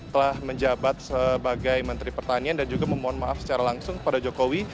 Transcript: telah menjabat sebagai menteri pertanian dan juga memohon maaf secara langsung kepada jokowi